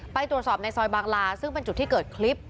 ไปตรวจสอบในซอยบางลาซึ่งเป็นจุดที่เกิดคลิป